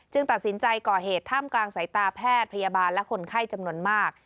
ตัดสินใจก่อเหตุท่ามกลางสายตาแพทย์พยาบาลและคนไข้จำนวนมาก